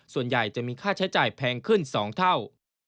ส่วนใหญ่จะมีค่าใช้จ่ายแพงขึ้น๒เท่า